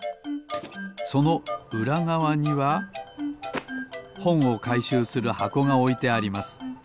そのうらがわにはほんをかいしゅうするはこがおいてあります。